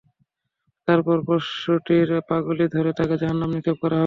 তারপর পশুটির পাগুলি ধরে তাকে জাহান্নামে নিক্ষেপ করা হবে।